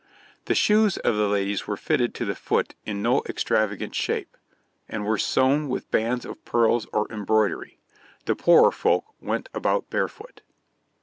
The shoes of the ladies were fitted to the foot in no extravagant shape, and were sewn with bands of pearls or embroidery. The poorer folk went about barefoot.